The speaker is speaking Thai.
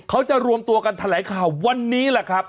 เขาจะรวมตัวกันแถลงข่าววันนี้แหละครับ